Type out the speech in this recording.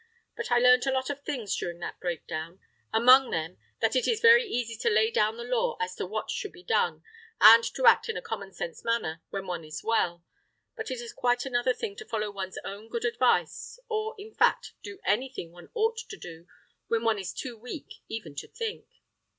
But I learnt a lot of things during that breakdown; among them, that it is very easy to lay down the law as to what should be done, and to act in a common sense manner, when one is well; but it is quite another thing to follow one's own good advice, or, in fact, do anything one ought to do, when one is too weak even to think!